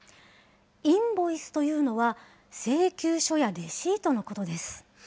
インボイスというのは、請求書やレシートのことです。